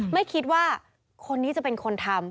ไม่คิดว่าคนนี้จะเป็นคนทำ